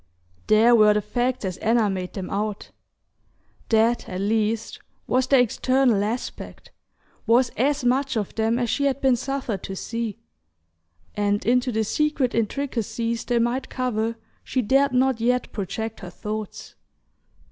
There were the facts as Anna made them out: that, at least, was their external aspect, was as much of them as she had been suffered to see; and into the secret intricacies they might cover she dared not yet project her thoughts.